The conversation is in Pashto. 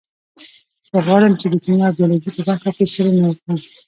زه غواړم چې د کیمیا او بیولوژي په برخه کې څیړنه وکړم